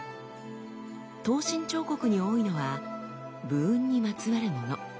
刀身彫刻に多いのは武運にまつわるもの。